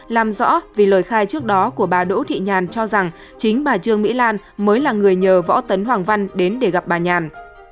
làm rõ vì lời khai trước đó của bà đỗ thị nhàn cho rằng chính bà trương mỹ lan mới là người nhờ võ tấn hoàng văn đến để gặp bà nhàn